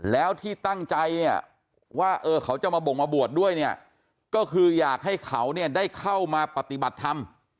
แล้วที่ตั้งใจเนี่ยว่าเขาจะมาบ่งมาบวชด้วยเนี่ยก็คืออยากให้เขาเนี่ยได้เข้ามาปฏิบัติธรรม